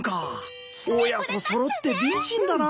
親子揃って美人だな。